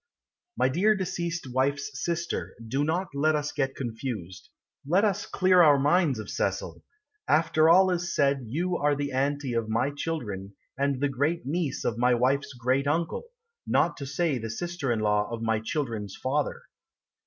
My dear deceased wife's sister, Do not let us get confused. Let us clear our minds of Cecil. After all is said You are the Auntie of my children, And the great niece of my wife's great uncle, Not to say the sister in law of my children's father.